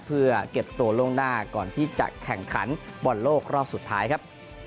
เพื่อเก็บตัวล่วงหน้าก่อนที่จะแข่งขันบอลโลกรอบสุดท้ายครับ